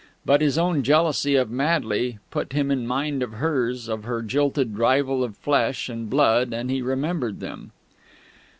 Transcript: But his own jealousy of Madley put him in mind of hers of her jilted rival of flesh and blood, and he remembered them....